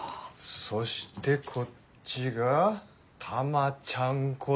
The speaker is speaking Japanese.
そしてこっちがタマちゃんこと。